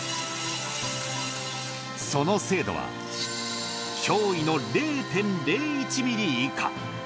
その精度は驚異の０．０１ミリ以下。